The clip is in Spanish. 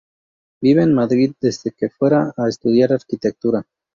Vive en Madrid desde que fuera a estudiar Arquitectura.